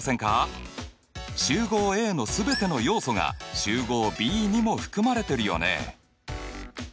集合Ａの全ての要素が集合Ｂにも含まれてるよね。